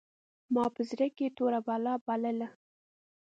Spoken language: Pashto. ما په زړه کښې توره بلا بلله.